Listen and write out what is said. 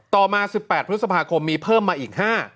ต่อมา๑๘พฤษภาคมมีเพิ่มมาอีก๕